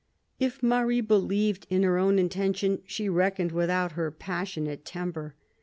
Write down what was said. If Marie believed in her own intention, she reckoned without her passionate temper.